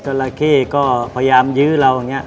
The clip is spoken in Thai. ราเข้ก็พยายามยื้อเราอย่างนี้